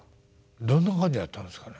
どんな感じやったんですかね？